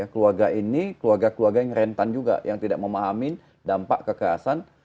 keluarga ini keluarga keluarga yang rentan juga yang tidak memahami dampak kekerasan